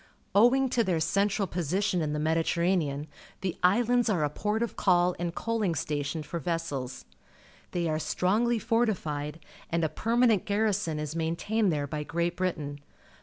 Owing to their central position in the Mediterranean, the islands are a port of call and cnn]inp st:'|tinn for vessels. They are st rongly fortified , and a permanent garrison is maintained there by Great Britain.